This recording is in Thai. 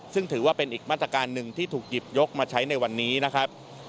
ซึ่งถือว่าเป็นอีกมาตรการหนึ่งที่ถูกหยิบยกมาใช้ในวันนี้นะครับ